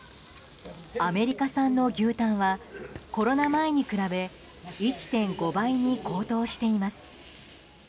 アメリカ産の牛タンはコロナ前に比べ１．５倍に高騰しています。